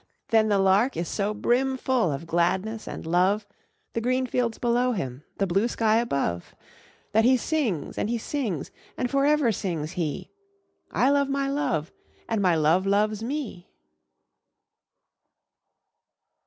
But the Lark is so brimful of gladness and love, The green fields below him, the blue sky above, That he sings, and he sings; and for ever sings he 'I love my Love, and my Love loves me!'